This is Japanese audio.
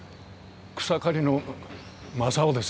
草刈の正雄ですが。